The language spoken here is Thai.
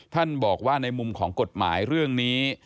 ท่านบอกว่าในมุมของกฎหมายเรื่องนี้